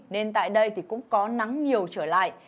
nên tại đây thì cũng có nắng nhiều trở lại